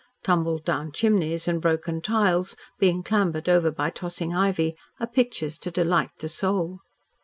Tumbled down chimneys and broken tiles, being clambered over by tossing ivy, are pictures to delight the soul.